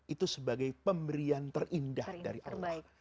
itu sebagai pemberian terindah dari allah